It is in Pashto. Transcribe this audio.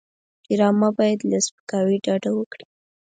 ډرامه باید له سپکاوي ډډه وکړي